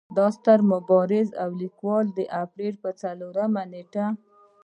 دا ستر مبارز او ليکوال د اپرېل پۀ څلورمه نېټه